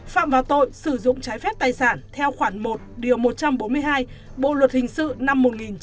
phạm vào tội sử dụng trái phép tài sản theo khoản một điều một trăm bốn mươi hai bộ luật hình sự năm một nghìn chín trăm năm mươi